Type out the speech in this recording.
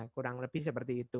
kurang lebih seperti itu